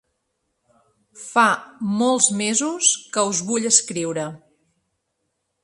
Fa molts mesos que us vull escriure.